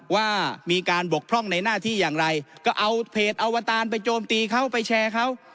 ว่ามีการบกพร่องในหน้าที่อย่างไรก็เอาเพจอวตารไปโจมตีเขาไปแชร์เขา